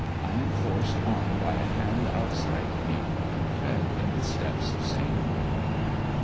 I am forced on by a Hand outside me to tread in the steps of Sainway.'